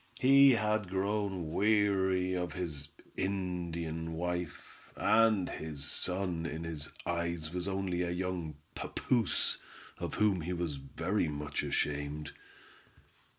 He had grown weary of his Indian wife, and his son in his eyes was only a young papoose, of whom he was very much ashamed.